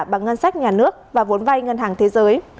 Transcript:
bằng ngân sách nhà nước và vốn vay ngân hàng thế giới